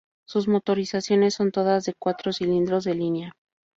Sus motorizaciones son todas de cuatro cilindros de línea.